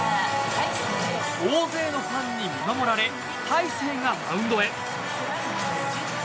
大勢のファンに見守られ大勢がマウンドへ。